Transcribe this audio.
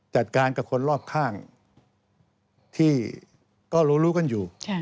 จัดการกับคนรอบข้างที่ก็รู้กันอยู่